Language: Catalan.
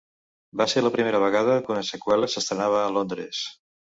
Va ser la primera vegada que una seqüela s'estrenava a Londres.